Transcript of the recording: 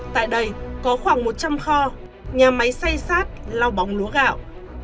tại đây có khoảng một trăm linh kho nhà máy xay sát lau bóng lúa gạo